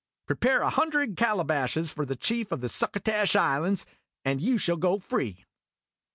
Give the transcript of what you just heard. Prepare a hundred calabashes for the Chief of the Succotash Islands, and you shall go free.